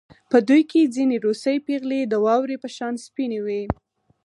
په دوی کې ځینې روسۍ پېغلې د واورې په شان سپینې وې